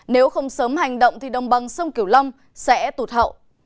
nếu không sớm hành động thì đồng bằng sông kiểu long sẽ tụt hậu